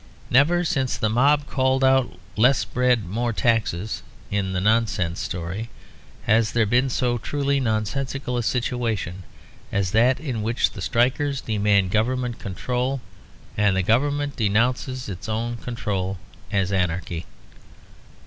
Never since the mob called out, "Less bread! More taxes!" in the nonsense story, has there been so truly nonsensical a situation as that in which the strikers demand Government control and the Government denounces its own control as anarchy.